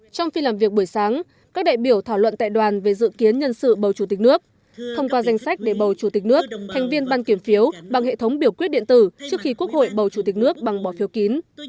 trong phiên làm việc buổi sáng các đại biểu thảo luận tại đoàn về dự kiến nhân sự bầu chủ tịch nước thông qua danh sách để bầu chủ tịch nước thành viên ban kiểm phiếu bằng hệ thống biểu quyết điện tử trước khi quốc hội bầu chủ tịch nước bằng bỏ phiếu kín